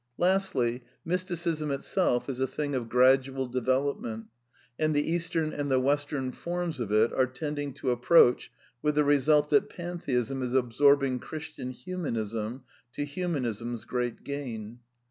Lastly, Mysticism itself is a thing of gradual develop ment, and the Eastern and the Western forms of it are tending to approach, with the result that Pantheism is ab sorbing Christian Humanism, to Humanism's great gain.